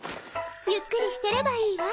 ゆっくりしてればいいわ。